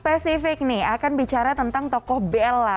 oke vick nih akan bicara tentang tokoh bella